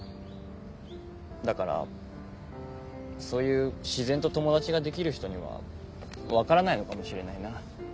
だからそういう自然と友達ができる人には分からないのかもしれないな。